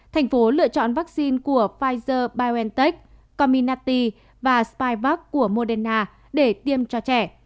tp hcm lựa chọn vaccine của pfizer biontech comirnaty và spivax của moderna để tiêm cho trẻ